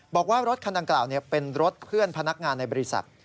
บอกว่ารถคันดังกล่าวเป็นรถเพื่อนพนักงานในบริษัท